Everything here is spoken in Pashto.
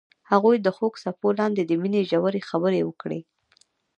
هغوی د خوږ څپو لاندې د مینې ژورې خبرې وکړې.